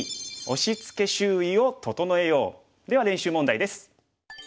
では練習問題です。